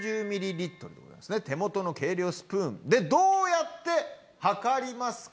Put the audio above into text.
手元の計量スプーンでどうやって量りますか？